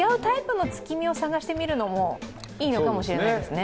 だから違うタイプの月見を探してみるのもいいのかもしれないですね。